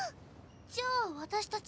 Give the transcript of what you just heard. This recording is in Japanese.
じゃあ私たち。